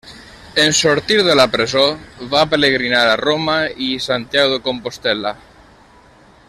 En sortir de la presó va pelegrinar a Roma i Santiago de Compostel·la.